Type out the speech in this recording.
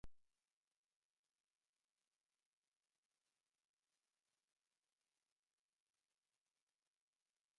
In accordance with his father's wishes, he studied law at the University of Sydney.